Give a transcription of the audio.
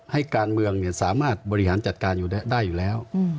ให้การเมืองสามารถบริหารจัดการอยู่ได้อยู่แล้ว